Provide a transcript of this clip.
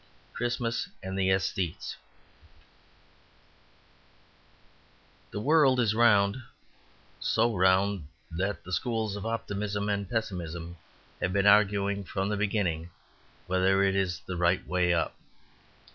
Christmas and the Aesthetes The world is round, so round that the schools of optimism and pessimism have been arguing from the beginning whether it is the right way up.